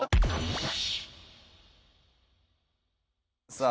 さあ